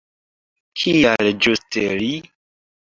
Kial ĝuste li?